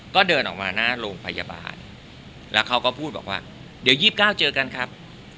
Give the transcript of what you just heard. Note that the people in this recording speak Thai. ก็เดินออกมาหน้าโรงพยาบาลแล้วเขาก็พูดบอกว่าเดี๋ยว๒๙เจอกันครับ